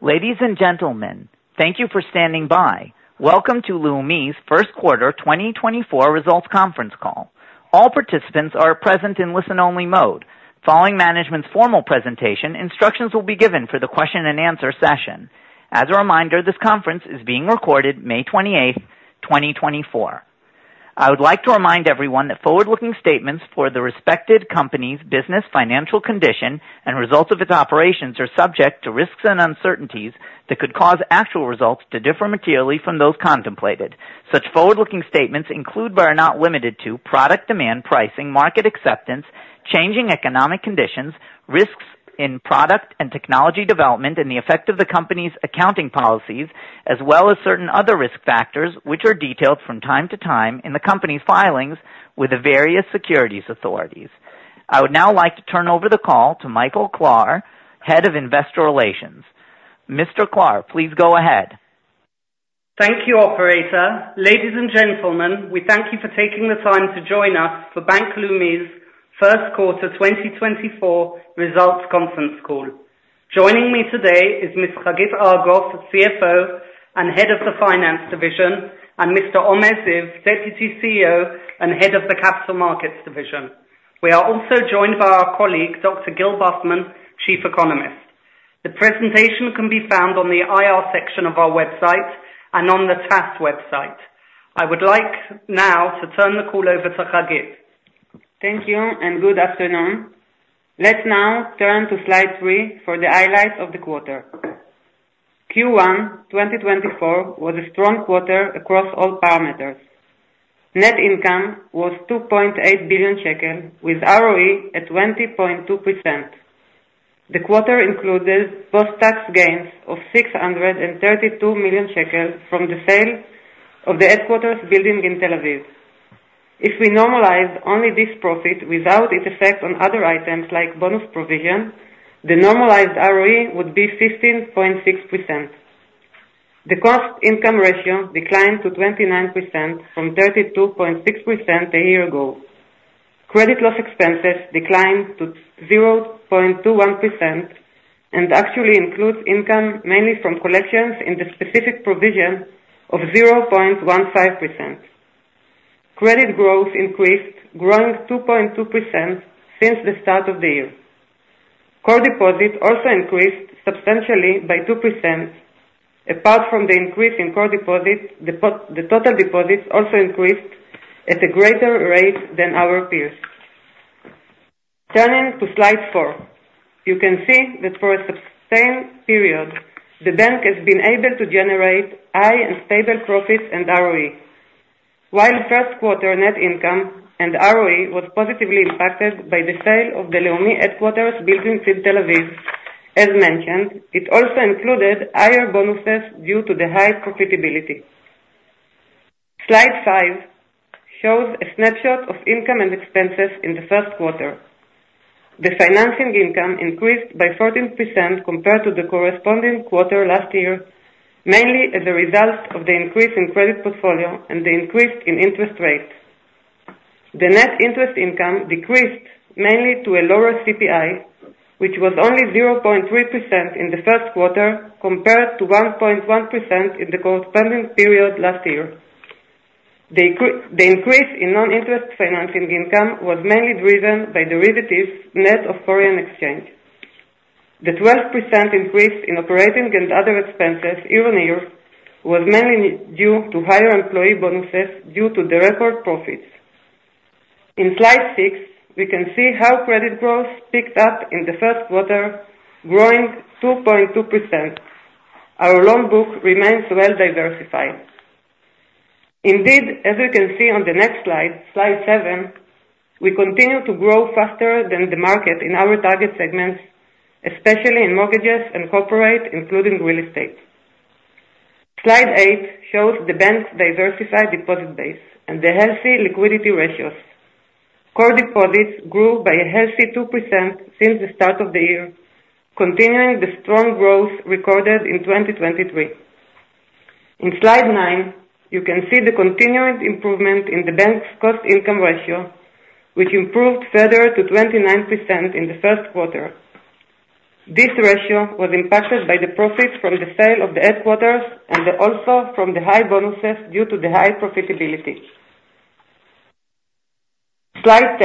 Ladies and gentlemen, thank you for standing by. Welcome to Leumi's first quarter 2024 results conference call. All participants are present in listen-only mode. Following management's formal presentation, instructions will be given for the question and answer session. As a reminder, this conference is being recorded May 28th, 2024. I would like to remind everyone that forward-looking statements for the respective company's business, financial condition, and results of its operations are subject to risks and uncertainties that could cause actual results to differ materially from those contemplated. Such forward-looking statements include, but are not limited to, product demand, pricing, market acceptance, changing economic conditions, risks in product and technology development, and the effect of the company's accounting policies, as well as certain other risk factors, which are detailed from time to time in the company's filings with the various securities authorities. I would now like to turn over the call to Michael Klar, Head of Investor Relations. Mr. Klar, please go ahead. Thank you, operator. Ladies and gentlemen, we thank you for taking the time to join us for Bank Leumi's first quarter 2024 results conference call. Joining me today is Miss Hagit Argov, CFO and Head of the Finance Division, and Mr. Omer Ziv, Deputy CEO and Head of the Capital Markets Division. We are also joined by our colleague, Dr. Gil Bufman, Chief Economist. The presentation can be found on the IR section of our website and on the Trust website. I would like now to turn the call over to Hagit. Thank you and good afternoon. Let's now turn to slide three for the highlights of the quarter. Q1 2024 was a strong quarter across all parameters. Net income was 2.8 billion shekel, with ROE at 20.2%. The quarter included post-tax gains of 632 million shekels from the sale of the headquarters building in Tel Aviv. If we normalize only this profit without its effect on other items, like bonus provision, the normalized ROE would be 15.6%. The cost income ratio declined to 29% from 32.6% a year ago. Credit loss expenses declined to 0.21% and actually includes income mainly from collections in the specific provision of 0.15%. Credit growth increased, growing 2.2% since the start of the year. Core deposits also increased substantially by 2%. Apart from the increase in core deposits, the total deposits also increased at a greater rate than our peers. Turning to slide four, you can see that for a sustained period, the bank has been able to generate high and stable profits and ROE. While first quarter net income and ROE was positively impacted by the sale of the Leumi headquarters building in Tel Aviv, as mentioned, it also included higher bonuses due to the high profitability. Slide five shows a snapshot of income and expenses in the first quarter. The financing income increased by 14% compared to the corresponding quarter last year, mainly as a result of the increase in credit portfolio and the increase in interest rates. The net interest income decreased mainly to a lower CPI, which was only 0.3% in the first quarter, compared to 1.1% in the corresponding period last year. The increase in non-interest financing income was mainly driven by derivatives, net of foreign exchange. The 12% increase in operating and other expenses year-on-year was mainly due to higher employee bonuses due to the record profits. In slide six, we can see how credit growth picked up in the first quarter, growing 2.2%. Our loan book remains well diversified. Indeed, as you can see on the next slide, slide seven, we continue to grow faster than the market in our target segments, especially in mortgages and corporate, including real estate. Slide eight shows the bank's diversified deposit base and the healthy liquidity ratios. Core deposits grew by a healthy 2% since the start of the year, continuing the strong growth recorded in 2023. In slide nine, you can see the continuing improvement in the bank's cost-income ratio, which improved further to 29% in the first quarter. This ratio was impacted by the profits from the sale of the headquarters and also from the high bonuses due to the high profitability. Slide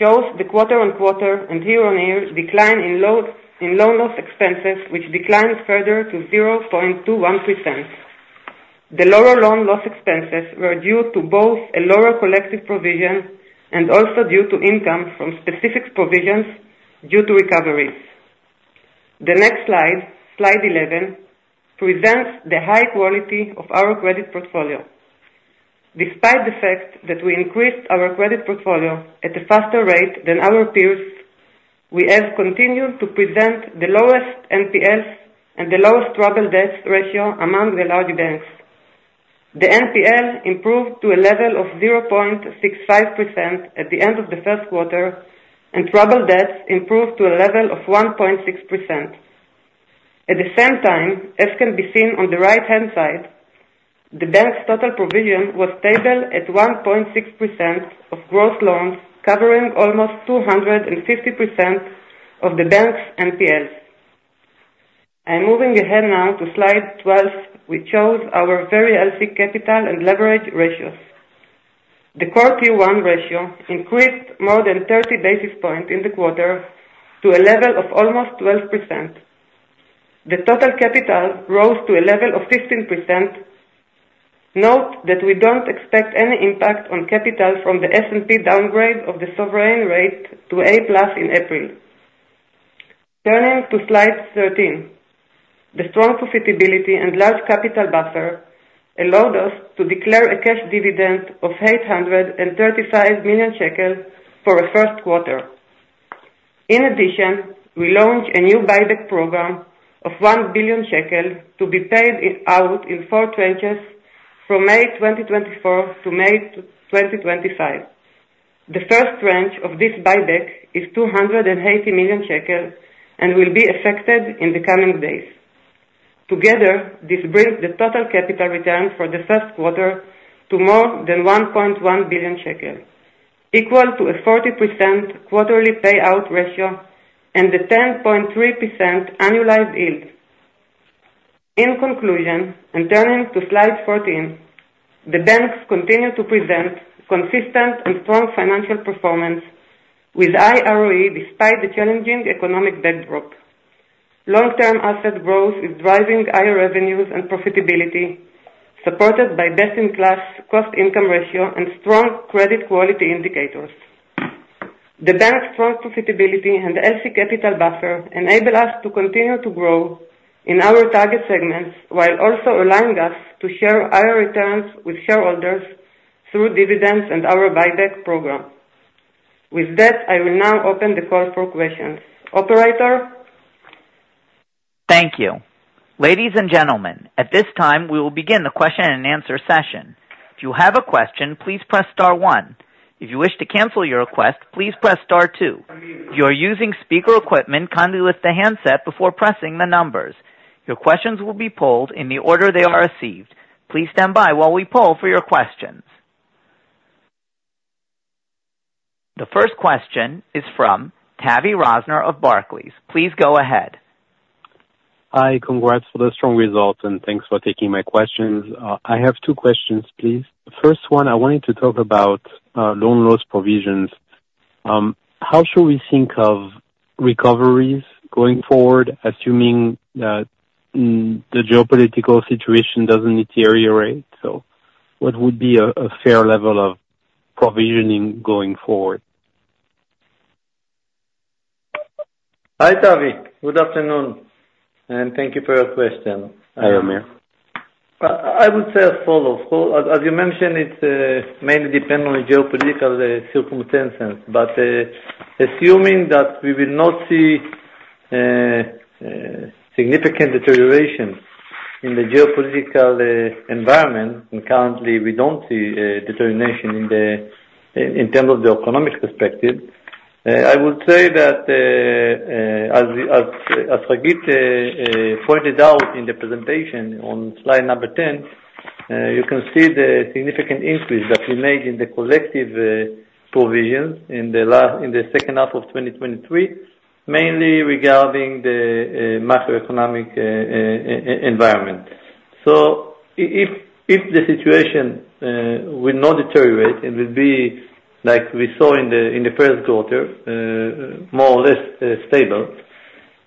10 shows the quarter-on-quarter and year-on-year decline in loan loss expenses, which declined further to 0.21%. The lower loan loss expenses were due to both a lower collective provision and also due to income from specific provisions due to recoveries. The next slide, slide 11, presents the high quality of our credit portfolio. Despite the fact that we increased our credit portfolio at a faster rate than our peers, we have continued to present the lowest NPLs and the lowest troubled debts ratio among the large banks. The NPL improved to a level of 0.65% at the end of the first quarter, and troubled debts improved to a level of 1.6%. At the same time, as can be seen on the right-hand side. The bank's total provision was stable at 1.6% of gross loans, covering almost 250% of the bank's NPLs. I'm moving ahead now to slide 12, which shows our very healthy capital and leverage ratios. The Core Tier 1 ratio increased more than 30 basis points in the quarter, to a level of almost 12%. The total capital rose to a level of 15%. Note that we don't expect any impact on capital from the S&P downgrade of the sovereign rating to A+ in April. Turning to slide 13, the strong profitability and large capital buffer allowed us to declare a cash dividend of 835 million shekels for the first quarter. In addition, we launched a new buyback program of 1 billion shekels to be paid out in four tranches from May 2024 to May 2025. The first tranche of this buyback is 280 million shekels and will be effected in the coming days. Together, this brings the total capital return for the first quarter to more than 1.1 billion shekels, equal to a 40% quarterly payout ratio and a 10.3% annualized yield. In conclusion, and turning to slide 14, the banks continue to present consistent and strong financial performance with high ROE, despite the challenging economic backdrop. Long-term asset growth is driving higher revenues and profitability, supported by best-in-class cost income ratio and strong credit quality indicators. The bank's strong profitability and healthy capital buffer enable us to continue to grow in our target segments, while also allowing us to share higher returns with shareholders through dividends and our buyback program. With that, I will now open the call for questions. Operator? Thank you. Ladies and gentlemen, at this time, we will begin the question and answer session. If you have a question, please press star one. If you wish to cancel your request, please press star two. If you are using speaker equipment, kindly lift the handset before pressing the numbers. Your questions will be polled in the order they are received. Please stand by while we poll for your questions. The first question is from Tavi Rosner of Barclays. Please go ahead. Hi, congrats for the strong results, and thanks for taking my questions. I have two questions, please. The first one, I wanted to talk about loan loss provisions. How should we think of recoveries going forward, assuming that the geopolitical situation doesn't deteriorate? So what would be a fair level of provisioning going forward? Hi, Tavi. Good afternoon, and thank you for your question. Hi, Omer. I would say as follows, so as you mentioned, it mainly depend on geopolitical circumstances. But assuming that we will not see significant deterioration in the geopolitical environment, and currently we don't see deterioration in the... In terms of the economic perspective, I would say that as Hagit pointed out in the presentation on slide number 10, you can see the significant increase that we made in the collective provision in the second half of 2023, mainly regarding the macroeconomic environment. So if the situation will not deteriorate, it will be like we saw in the first quarter, more or less stable.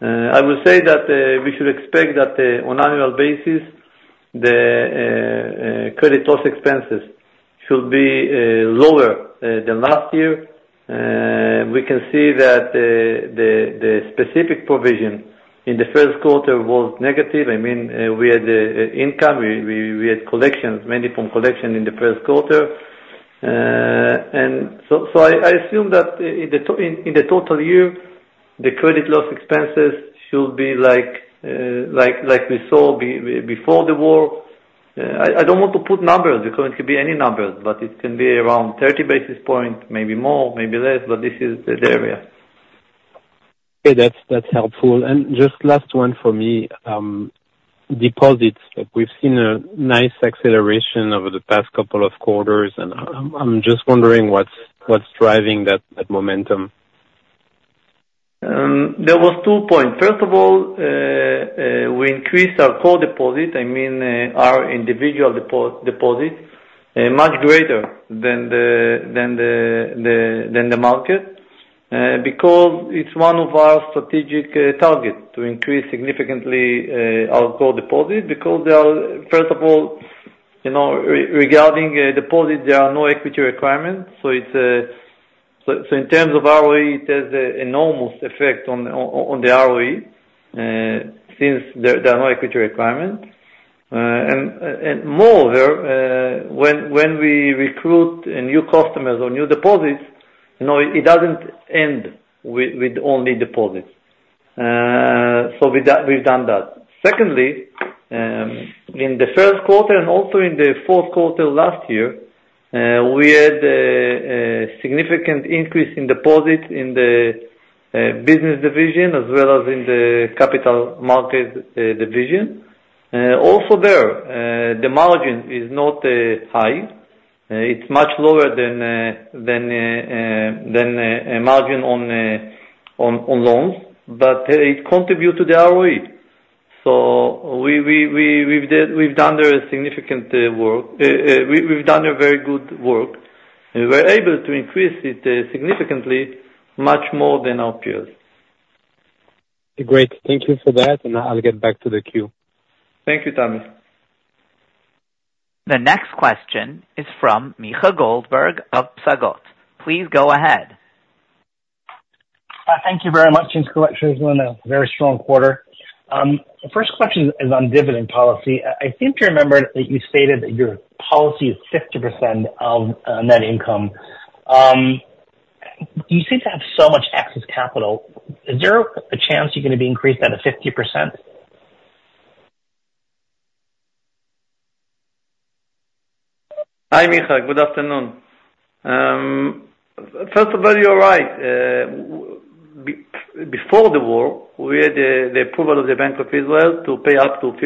I will say that we should expect that on annual basis the credit loss expenses should be lower than last year. We can see that the specific provision in the first quarter was negative. I mean, we had income, we had collections, mainly from collection in the first quarter. So I assume that in the total year the credit loss expenses should be like we saw before the war. I don't want to put numbers, because it could be any numbers, but it can be around 30 basis points, maybe more, maybe less, but this is the area. Okay, that's helpful. And just last one for me, deposits. We've seen a nice acceleration over the past couple of quarters, and I'm just wondering what's driving that momentum? There was two points. First of all, we increased our core deposit, I mean, our individual deposit, much greater than the market, because it's one of our strategic targets to increase significantly, our core deposit. Because there are, first of all, you know, regarding deposits, there are no equity requirements, so it's... So, so in terms of ROE, it has an enormous effect on the ROE, since there are no equity requirements. And, and moreover, when we recruit a new customers or new deposits, you know, it doesn't end with only deposits. So, we've done that. Secondly, in the first quarter and also in the fourth quarter last year... We had a significant increase in deposits in the business division, as well as in the capital market division. Also there, the margin is not high. It's much lower than a margin on loans, but it contribute to the ROE. So we, we've done there a significant work. We've done a very good work, and we're able to increase it significantly, much more than our peers. Great. Thank you for that, and I'll get back to the queue. Thank you, Tavi. The next question is from Micha Goldberg of Psagot. Please go ahead. Thank you very much. Congratulations on a very strong quarter. The first question is on dividend policy. I seem to remember that you stated that your policy is 50% of net income. You seem to have so much excess capital. Is there a chance you're gonna be increased that to 50%? Hi, Micha. Good afternoon. First of all, you're right. Before the war, we had the approval of the Bank of Israel to pay up to 50%.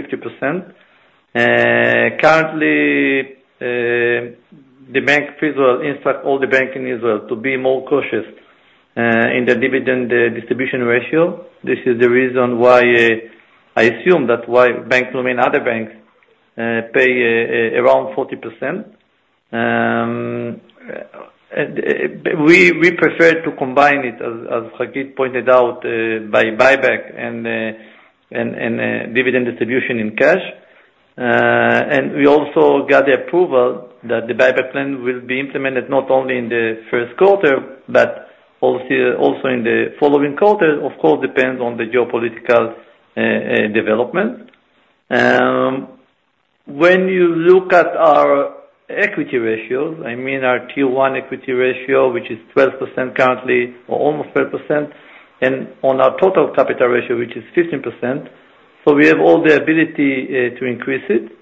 Currently, the Bank of Israel instruct all the bank in Israel to be more cautious in the dividend distribution ratio. This is the reason why, I assume that's why Bank Leumi and other banks pay around 40%. We prefer to combine it, as Hagit pointed out, by buyback and dividend distribution in cash. And we also got the approval that the buyback plan will be implemented not only in the first quarter, but also in the following quarters. Of course, depends on the geopolitical development. When you look at our equity ratios, I mean, our Tier 1 equity ratio, which is 12% currently, or almost 12%, and on our total capital ratio, which is 15%, so we have all the ability to increase it.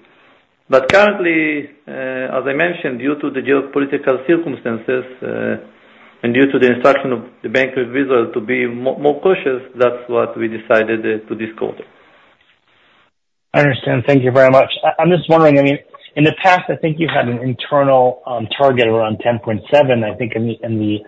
But currently, as I mentioned, due to the geopolitical circumstances, and due to the instruction of the Bank of Israel, to be more cautious, that's what we decided to this quarter. I understand. Thank you very much. I'm just wondering, I mean, in the past, I think you had an internal target around 10.7, I think, in the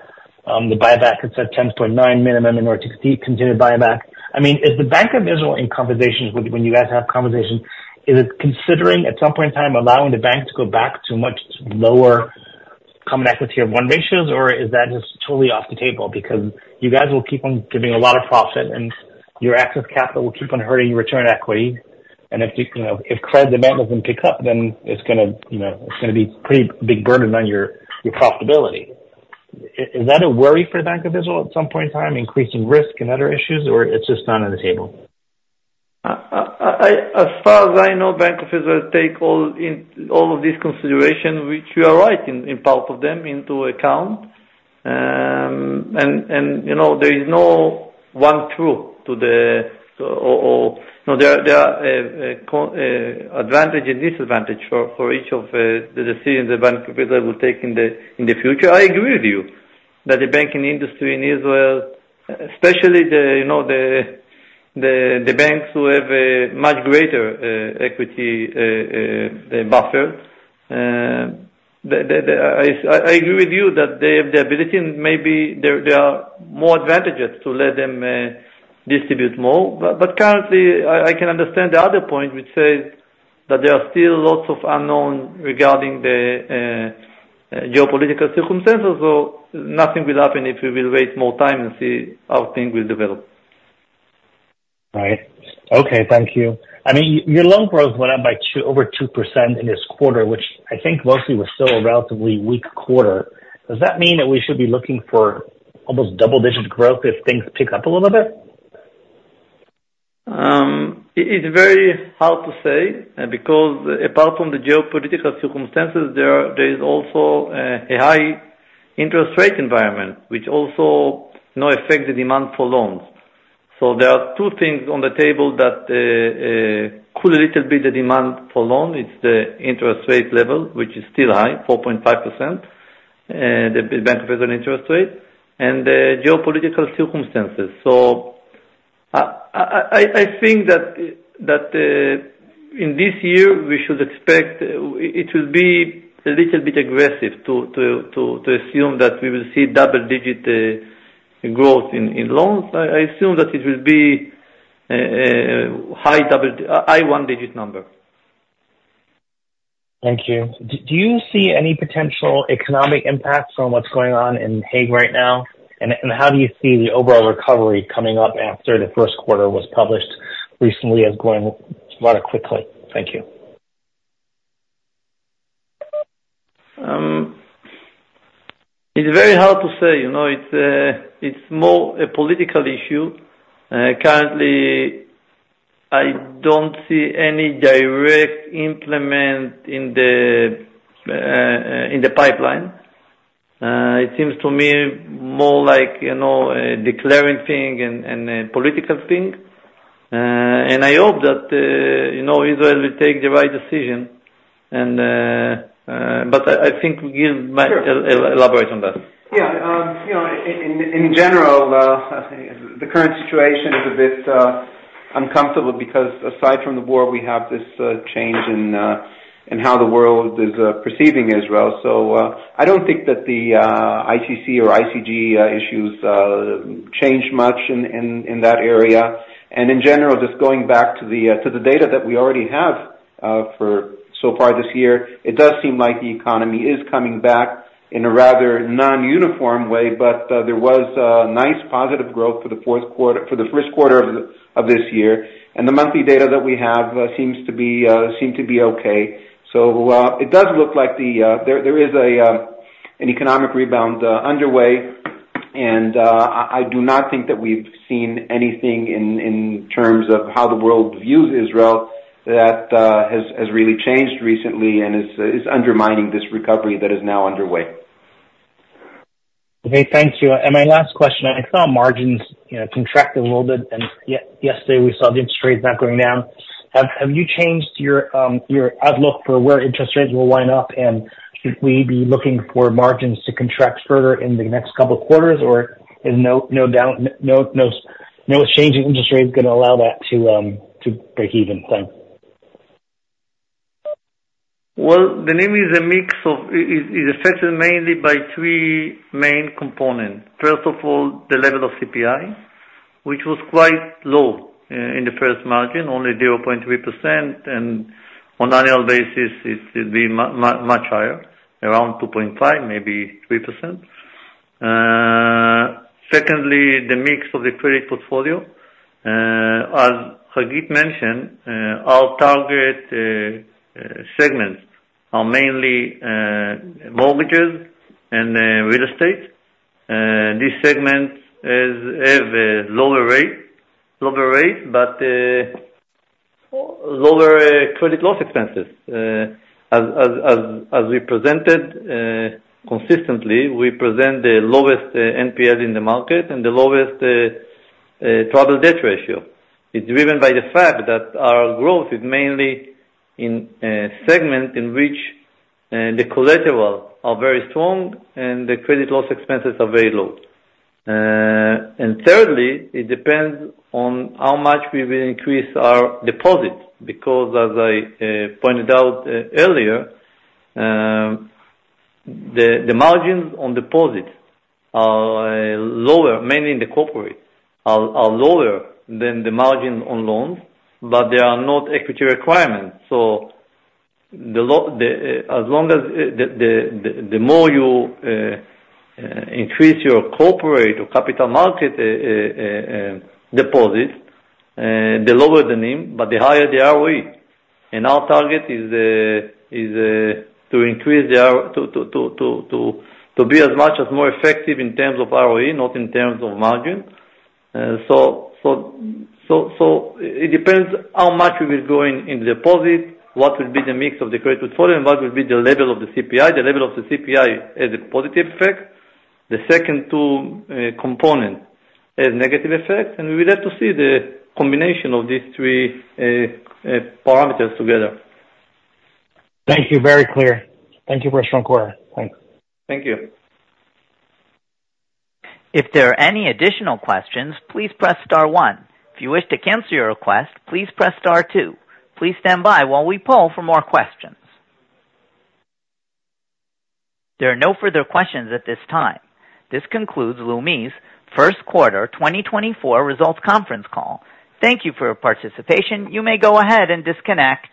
buyback. It said 10.9 minimum in order to see continued buyback. I mean, is the Bank of Israel in conversations with... When you guys have conversations, is it considering at some point in time, allowing the bank to go back to much lower common equity Tier 1 ratios, or is that just totally off the table? Because you guys will keep on giving a lot of profit, and your excess capital will keep on hurting your return equity, and if you know, if credit demand doesn't pick up, then it's gonna, you know, it's gonna be pretty big burden on your profitability. Is that a worry for the Bank of Israel at some point in time, increasing risk and other issues, or it's just not on the table? I, as far as I know, Bank of Israel take all in all of these considerations, which you are right in part of them, into account. You know, no, there are advantage and disadvantage for each of the decisions the Bank of Israel will take in the future. I agree with you that the banking industry in Israel, especially, you know, the banks who have a much greater equity buffer. I agree with you that they have the ability, and maybe there are more advantages to let them distribute more. But currently, I can understand the other point, which says that there are still lots of unknown regarding the geopolitical circumstances. So nothing will happen if we will wait more time and see how things will develop. Right. Okay, thank you. I mean, your loan growth went up by 2%, over 2% in this quarter, which I think mostly was still a relatively weak quarter. Does that mean that we should be looking for almost double-digit growth if things pick up a little bit? It's very hard to say, because apart from the geopolitical circumstances, there are, there is also, a high interest rate environment, which also now affect the demand for loans. So there are two things on the table that could a little bit the demand for loan. It's the interest rate level, which is still high, 4.5%, the Bank of Israel interest rate, and the geopolitical circumstances. So I think that, that, in this year, we should expect... It will be a little bit aggressive to assume that we will see double-digit growth in loans. I assume that it will be, high double, high one-digit number. Thank you. Do you see any potential economic impacts from what's going on in The Hague right now? And how do you see the overall recovery coming up after the first quarter was published recently as growing rather quickly? Thank you. It's very hard to say, you know, it's more a political issue. Currently, I don't see any direct impact in the pipeline. It seems to me more like, you know, a declaring thing and a political thing. And I hope that, you know, Israel will take the right decision, and but I think Gil might elaborate on that. Yeah. You know, in general, I think the current situation is a bit uncomfortable, because aside from the war, we have this change in how the world is perceiving Israel. So, I don't think that the ICC or ICJ issues change much in that area. And in general, just going back to the data that we already have for so far this year, it does seem like the economy is coming back in a rather non-uniform way, but there was nice positive growth for the fourth quarter... For the first quarter of this year. And the monthly data that we have seems to be okay. So, it does look like the...There is an economic rebound underway, and I do not think that we've seen anything in terms of how the world views Israel that has really changed recently and is undermining this recovery that is now underway. Okay, thank you. And my last question, I saw margins, you know, contract a little bit, and yesterday we saw the interest rates not going down. Have you changed your outlook for where interest rates will wind up? And should we be looking for margins to contract further in the next couple of quarters, or is no change in interest rates gonna allow that to break even? Thanks. Well, the NIM is a mix of... it is affected mainly by three main components. First of all, the level of CPI, which was quite low in the first quarter, only 0.3%, and on annual basis, it much higher, around 2.5, maybe 3%. Secondly, the mix of the credit portfolio. As Hagit mentioned, our target segments are mainly mortgages and real estate. These segments is have a lower rate, lower rate, but lower credit loss expenses. As we presented consistently, we present the lowest NPL in the market and the lowest troubled debt ratio. It's driven by the fact that our growth is mainly in segment in which the collateral are very strong and the credit loss expenses are very low. And thirdly, it depends on how much we will increase our deposit, because as I pointed out earlier, the margins on deposits are lower, mainly in the corporate, are lower than the margin on loans, but there are not equity requirements. So, as long as the more you increase your corporate or capital market deposit, the lower the NIM, but the higher the ROE. And our target is to be as much as more effective in terms of ROE, not in terms of margin. So, it depends how much we will go in deposit, what will be the mix of the credit portfolio, and what will be the level of the CPI. The level of the CPI has a positive effect. The second two component has negative effect, and we would like to see the combination of these three parameters together. Thank you. Very clear. Thank you for a strong quarter. Thanks. Thank you. If there are any additional questions, please press star one. If you wish to cancel your request, please press star two. Please stand by while we poll for more questions. There are no further questions at this time. This concludes Leumi's first quarter 2024 results conference call. Thank you for your participation. You may go ahead and disconnect.